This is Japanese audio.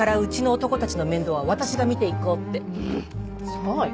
そうよ